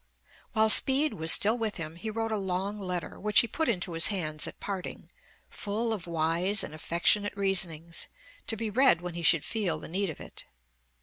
While Speed was still with him, he wrote a long letter, which he put into his hands at parting, full of wise and affectionate reasonings, to be read when he should feel the need of it.